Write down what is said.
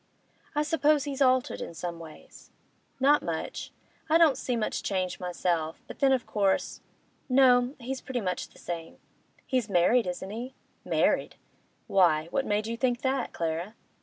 'I suppose he's altered in some ways?' 'Not much; I don't see much change, myself, but then of course— No, he's pretty much the same.' 'He's married, isn't he? 'Married? Why, what made you think that. Clara?